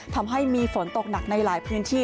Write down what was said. ทำให้มีฝนตกหนักในหลายพื้นที่